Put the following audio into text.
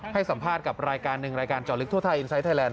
ให้สัมภาษณ์กับรายการหนึ่งรายการเจาะลึกทั่วไทยอินไซต์ไทยแลนด